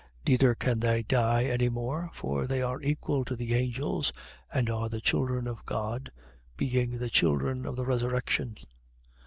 20:36. Neither can they die any more for they are equal to the angels and are the children of God, being the children of the resurrection.